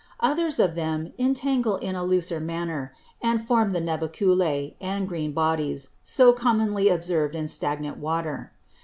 Others of them intangle in a looser manner; and form the Nubeculæ, and green Bodies, so commonly observ'd in stagnant Water.